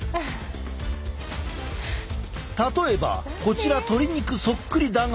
例えばこちら鶏肉そっくりだが。